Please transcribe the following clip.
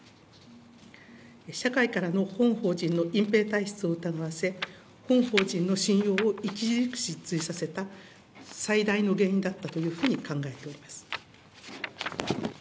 社会からの本法人の隠蔽体質を疑わせ、本法人の信用を著しく失墜させた最大の原因だったというふうに考えております。